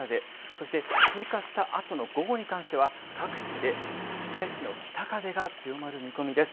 そして通過した後の午後に関しては各地で吹き返しの北風が強まる見込みです。